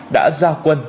đã giao quản lý